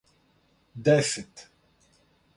десет